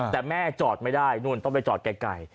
แต่แม่จอดไม่ได้นู่นต้องไปจอดไกล